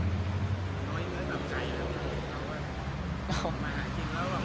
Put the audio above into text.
น้อยเนื้อต่ำใจหรือเปล่า